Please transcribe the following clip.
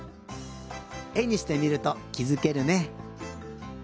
えにしてみるときづけるね。